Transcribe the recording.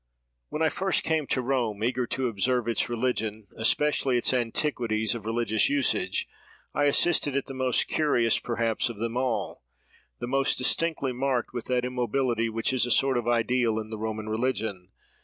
"When I first came to Rome, eager to observe its religion, especially its antiquities of religious usage, I assisted at the most curious, perhaps, of them all, the most distinctly marked with that immobility which is a sort of ideal in the Roman religion.